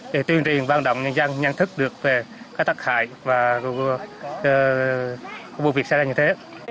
để tuyên truyền văn động nhân dân nhận thức được về các tác hại và vụ việc xảy ra như thế